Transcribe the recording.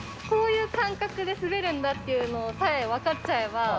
こういう感覚で滑るんだっていうのさえ分かっちゃえば。